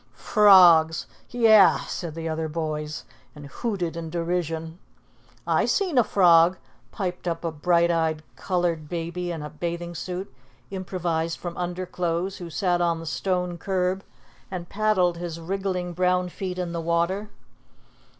"Frogs! Yah!" said the other boys, and hooted in derision. "I seen a frog," piped up a bright eyed colored baby in a bathing suit improvised from underclothes, who sat on the stone curb and paddled his wriggling brown feet in the water.